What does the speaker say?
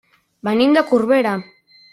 Venim de Corbera.